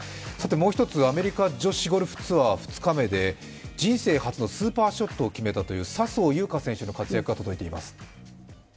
もう一つ、アメリカ女子ゴルフツアー２日目で人生初のスーパーショットを決めたという笹生優花選手の活躍が届いています。